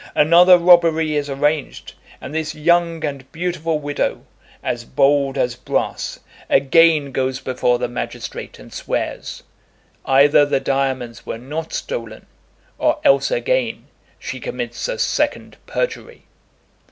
Another robbery is arranged, and this young and beautiful widow, as bold as brass, again goes before the magistrate and swears. Either the diamonds were not stolen, or else again she commits a second perjury.